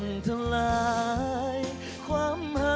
สวัสดีครับ